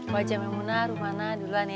waaja maemunah rumana duluan ya